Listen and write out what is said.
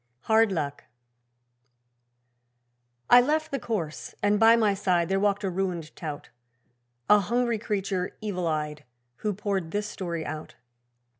Hard Luck I left the course, and by my side There walked a ruined tout A hungry creature evil eyed, Who poured this story out.